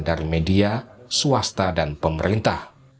dari media swasta dan pemerintah